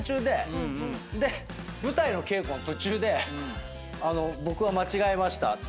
で舞台の稽古の途中で僕は間違えました。